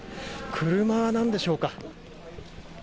車なんでしょうか。